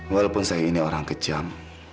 walaupun saya ini orang kejam